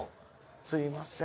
すいません。